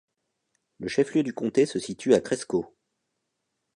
Le chef-lieu du comté se situe à Cresco.